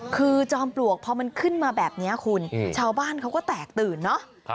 คือจอมปลวกพอมันขึ้นมาแบบนี้คุณชาวบ้านเขาก็แตกตื่นเนอะ